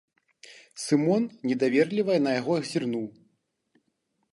Сымон недаверліва на яго зірнуў.